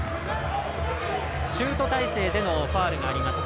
シュート体勢でのファウルがありました。